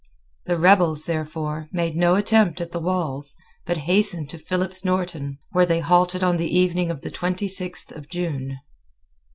The rebels, therefore made no attempt on the walls, but hastened to Philip's Norton, where they halted on the evening of the twenty sixth of June.